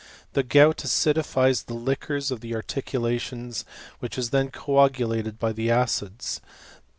The gout acidifies the liquors of the arti latioDs, which is then copulated by the acids.